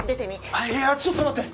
あっいやちょっと待って！